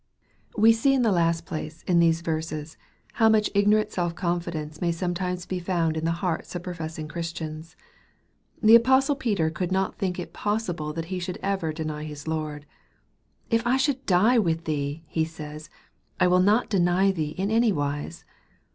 We see in the last place, in these verses, how much ignorant self confidence may sometimes be found in the hearts of professing Christians. The apostle Peter could not think it possible that he could ever deny his Lord. " If I should die with thee," he says, " I will not deny thee in any wise."